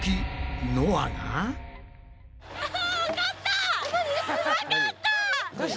あわかった！